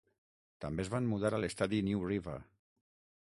També es van mudar a l'estadi New River.